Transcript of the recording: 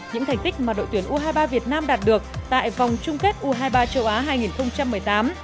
những thành tích mà đội tuyển u hai mươi ba việt nam đạt được tại vòng chung kết u hai mươi ba châu á hai nghìn một mươi tám